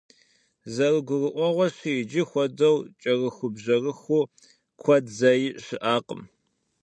Зэрыгурыӏуэгъуэщи, иджы хуэдэу кӏэрыхубжьэрыху куэд зэи щыӏакъым.